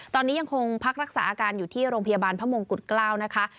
ตอนนี้ยังคงพักรักษาอาการอยู่ที่โรงพยาบาลพระมงกุฎเกล้านะคะ